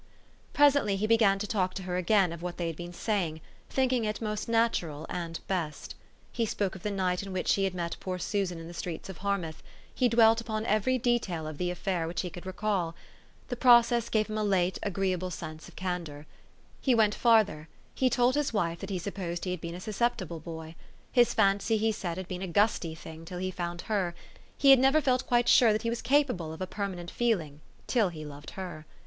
Presently he began to talk to her again of what they had been saying, thinking it most natural and best. He spoke of the night in which he had met poor Susan in the streets of Harmouth ; he dwelt upon every detail of the affair which he could recall : THE STORY OF AVIS. 307 the process gave Mm a late, agreeable sense of can dor, lie went farther ; he told his wife that he sup posed he had been a susceptible boy. His fancy, he said, had been a gusty thing till he found her ; he had never felt quite sure that he was capable of a permanent feeling, till he loved her.